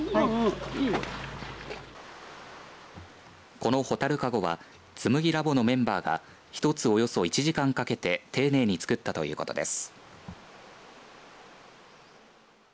この蛍かごはつむぎラボのメンバーが１つおよそ１時間かけて丁寧に作ったということです。